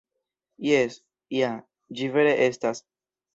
Jes, ja, ĝi vere estas!